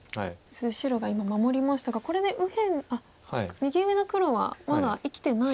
白が今守りましたがこれで右上の黒はまだ生きてないですよね。